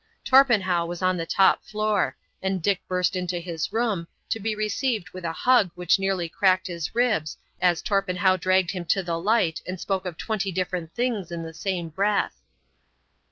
Torpenhow was on the top floor, and Dick burst into his room, to be received with a hug which nearly cracked his ribs, as Torpenhow dragged him to the light and spoke of twenty different things in the same breath.